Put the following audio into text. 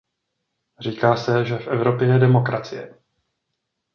Říká se, že v Evropě je demokracie.